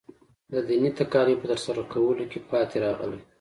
د دیني تکالیفو په ترسره کولو کې پاتې راغلی.